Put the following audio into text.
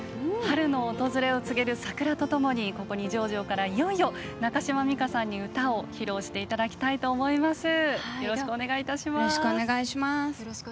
春の訪れを告げる桜とともにここ二条城からいよいよ中島美嘉さんに歌を披露していただきたいと思います。